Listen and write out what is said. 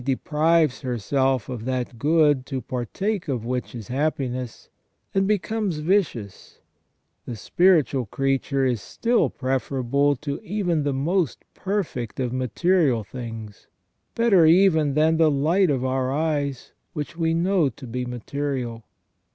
37 deprives herself of that good to partake of which is happiness, and becomes vicious, the spiritual creature is still preferable to even the most perfect of material things, better even than the light of our eyes, which we know to be material.